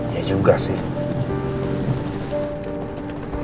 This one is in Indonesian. ya juga sih